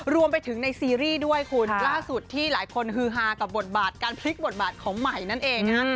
รวมไปถึงในซีรีส์ด้วยคุณล่าสุดที่หลายคนฮือฮากับบทบาทการพลิกบทบาทของใหม่นั่นเองนะฮะ